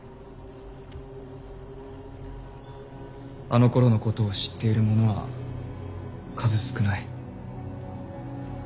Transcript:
あのころのことを知っている者は数少ない。